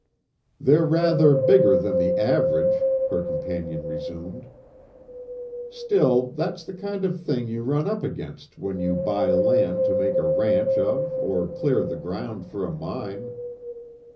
"They're rather bigger than the average," her companion resumed. "Still, that's the kind of thing you run up against when you buy land to make a ranch of or clear the ground for a mine.